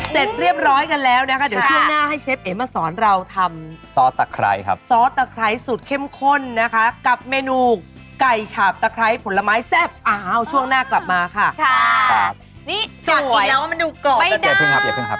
เสร็จเรียบร้อยกันแล้วนะคะเดี๋ยวช่วงหน้าให้เชฟเอ๋มาสอนเราทำซอสตะไครครับซอสตะไครสุดเข้มข้นนะคะกับเมนูไก่ฉาบตะไครผลไม้แซ่บอาหารช่วงหน้ากลับมาค่ะนี่สวยอยากกินแล้วมันดูกรอบนะครับว่าเย็บพึ่งครับ